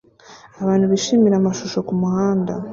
Abantu bishimira amashusho kumuhanda